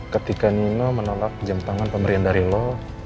ketika nino menolak jam tangan pemberian dari lo